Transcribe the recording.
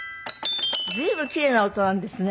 随分奇麗な音なんですね。